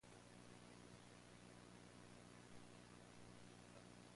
Sound mixing was done by Krishnan Unni.